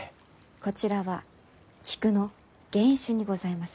こちらは菊の原種にございます。